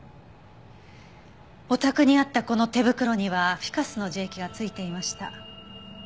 お宅にあったこの手袋にはフィカスの樹液が付いていました。